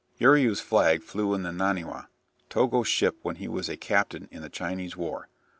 Uriu's flag flew in the "Naniwa," Togo's ship when he was a captain in the Chinese war.